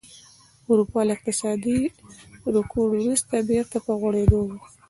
اروپا له اقتصادي رکود وروسته بېرته په غوړېدو وه